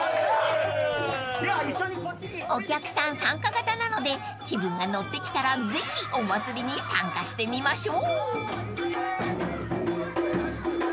［お客さん参加型なので気分が乗ってきたらぜひお祭りに参加してみましょう］